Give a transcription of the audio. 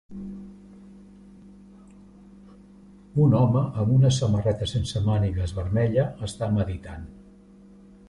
Un home amb una samarreta sense mànigues vermella està meditant.